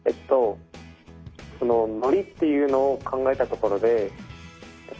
ノリっていうのを考えたところで絵文字？